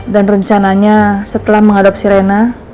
dan rencananya setelah mengadopsi reina